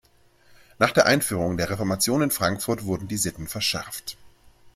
Nach der Einführung der Reformation in Frankfurt wurden die Sitten verschärft.